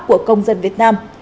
của công dân việt nam